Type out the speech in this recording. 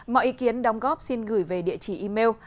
mọi ý kiến đóng góp xin gửi về địa chỉ email